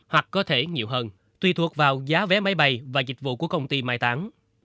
hoặc có thể nhiều hơn tùy thuộc vào giá vé máy bay và dịch vụ của công ty mai táng